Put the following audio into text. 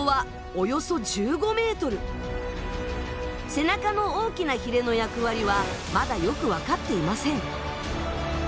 背中の大きなヒレの役割はまだよく分かっていません。